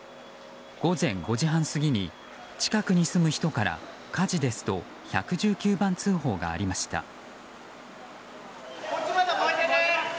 午前５時半過ぎに近くに住む人から火事ですと１１９番通報がありました。